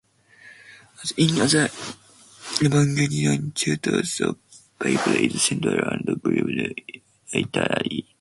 As in other evangelical churches, the Bible is central and believed literally.